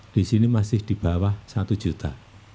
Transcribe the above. di sini masih di bawah satu juta